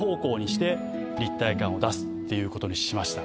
出すっていう事にしました。